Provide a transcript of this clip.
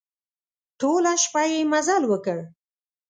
ټوله شپه يې مزل وکړ.